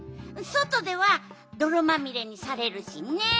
そとではどろまみれにされるしね。